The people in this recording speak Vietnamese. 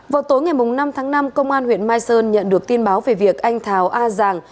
vào tối ngày năm tháng năm công an huyện mai sơn nhận được tin báo về việc anh tháo a giàng